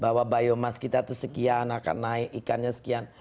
bahwa biomas kita itu sekian akan naik ikannya sekian